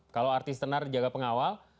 kalau artis tenar dijaga pengawal